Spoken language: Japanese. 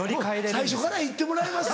最初から言ってもらえます？